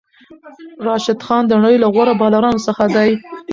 راشد خان د نړۍ له غوره بالرانو څخه دئ.